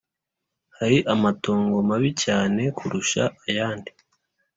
Hari amatongo mabi cyane kurusha ayandi